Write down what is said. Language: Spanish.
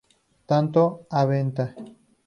Tanto "Avante!